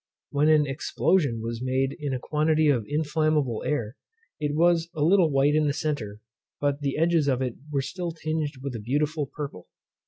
When an explosion was made in a quantity of inflammable air, it was a little white in the center, but the edges of it were still tinged with a beautiful purple.